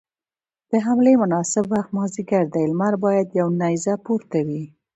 د حملې مناسب وخت مازديګر دی، لمر بايد يوه نيزه پورته وي.